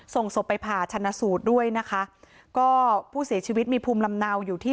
ส่งศพไปผ่าชนะสูตรด้วยนะคะก็ผู้เสียชีวิตมีภูมิลำเนาอยู่ที่